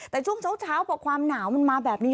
แต่ช่วงเช้าพอความหนาวมันมาแบบนี้